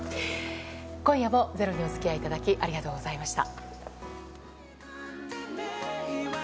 今夜もｚｅｒｏにおつきあいいただき、ありがとうございました。